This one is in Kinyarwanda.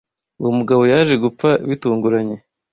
uwo mugabo yaje gupfa bitunguranye